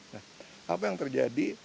nah apa yang terjadi